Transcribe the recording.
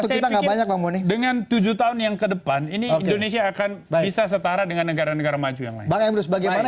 saya pikir dengan tujuh tahun yang ke depan ini indonesia akan bisa setara dengan negara negara maju yang lain